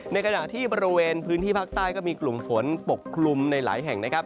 ในขณะที่บริเวณพื้นที่ภาคใต้ก็มีกลุ่มฝนปกคลุมในหลายแห่งนะครับ